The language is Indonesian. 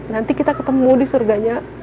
nanti kita ketemu di surganya